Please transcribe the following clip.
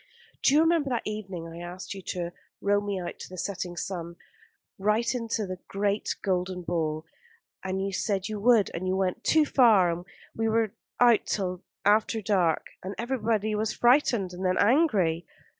"Do you remember that evening I asked you to row me out to the setting sun, right into the great golden ball, and you said you would, and you went too far, and we were out till after dark, and everybody was first frightened and then angry?"